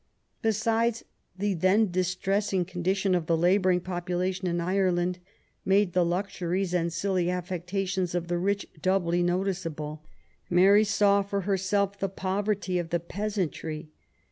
Besides^ the then distressing condition of the labouring population in Ireland made the luxuries and silly affectations of the rich doubly noticeable. Mary saw for herself the poverty of the peasantry.